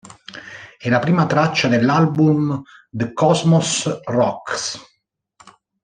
È la prima traccia dell'album "The Cosmos Rocks".